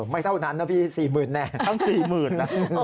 ไม่เท่านั้นนะพี่๔๐๐๐แน่ทั้ง๔๐๐๐นะ